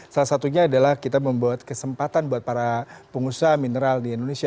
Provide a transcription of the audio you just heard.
salah satunya adalah kita membuat kesempatan buat para pengusaha mineral di indonesia